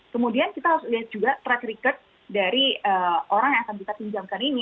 kemudian kita harus lihat juga track record dari orang yang akan kita pinjamkan ini